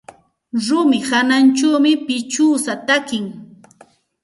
Rumi hawanćhawmi pichiwsa taki.